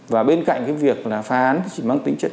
và bên cạnh việc phá án chỉ mang tính chất